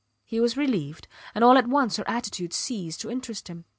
He was relieved, and all at once her attitude ceased to interest him.